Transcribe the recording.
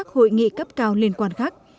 hội nghị cấp cao liên quan khác